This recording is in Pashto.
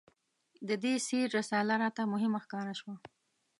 د دې سیر رساله راته مهمه ښکاره شوه.